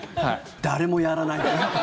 誰もやらない。